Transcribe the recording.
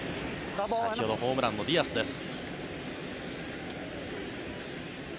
先ほどホームランのディアスです。